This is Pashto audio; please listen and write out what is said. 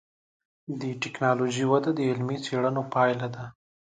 د ټکنالوجۍ وده د علمي څېړنو پایله ده.